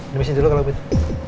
permisi dulu kalau begitu